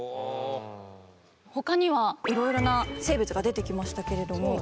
他にはいろいろな生物が出てきましたけれども。